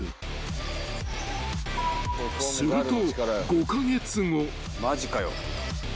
［すると］